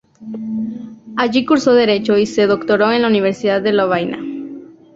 Allí cursó Derecho y se doctoró en la Universidad de Lovaina.